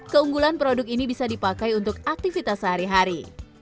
keunggulan produk ini bisa dipakai untuk aktivitas sehari hari